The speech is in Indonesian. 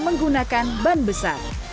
menggunakan ban besar